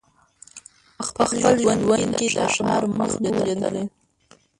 په خپل ژوند یې د ښار مخ نه وو لیدلی